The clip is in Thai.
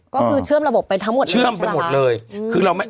ก็คือเชื่อมระบบไปทั้งหมดเลยใช่มั้ย